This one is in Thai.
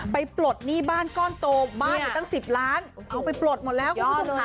ปลดหนี้บ้านก้อนโตบ้านอยู่ตั้ง๑๐ล้านเอาไปปลดหมดแล้วคุณผู้ชมค่ะ